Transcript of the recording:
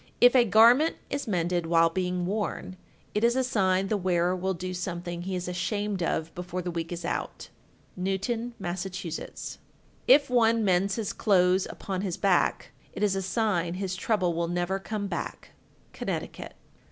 If a garment is mended while being worn, it is a sign the wearer will do something he is ashamed of before the week is out. Newton, Mass. 1379. If one mends his clothes upon his back, It is a sign his trouble will never come back. _Connecticut.